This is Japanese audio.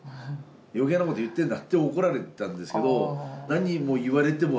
余計なこと言ってんなって怒られてたんですけど。